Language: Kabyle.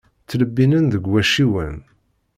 Ttlebbinen deg wacciwen.